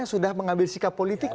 sudah mengambil sikap politik